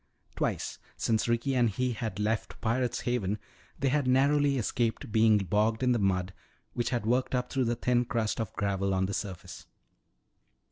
Twice since Ricky and he had left Pirate's Haven they had narrowly escaped being bogged in the mud which had worked up through the thin crust of gravel on the surface.